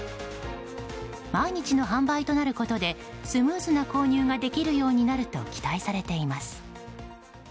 毎日の販売となることでスムーズな購入ができるようになると期待されています。